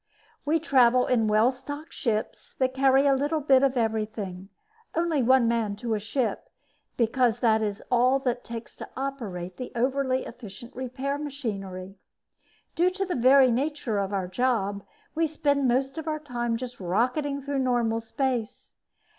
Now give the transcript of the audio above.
We travel in well stocked ships that carry a little bit of everything; only one man to a ship because that is all it takes to operate the overly efficient repair machinery. Due to the very nature of our job, we spend most of our time just rocketing through normal space.